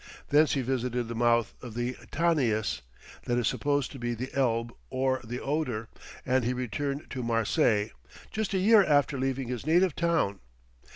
Thence he visited the mouth of the Tanais, that is supposed to be the Elbe or the Oder, and he retuned to Marseilles, just a year after leaving his native town.